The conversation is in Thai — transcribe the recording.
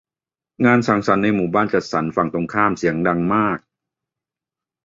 งานสังสรรค์ในหมู่บ้านจัดสรรฝั่งตรงข้ามเสียงดังมาก